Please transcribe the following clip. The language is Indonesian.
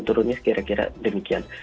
turunnya kira kira demikian